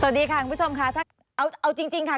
สวัสดีค่ะคุณผู้ชมค่ะถ้าเอาจริงค่ะ